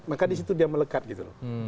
maka di situ dia melekat gitu loh